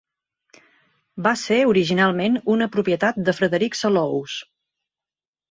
Va ser originalment una propietat de Frederic Selous.